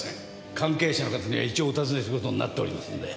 関係者の方には一応お尋ねすることになっておりますので。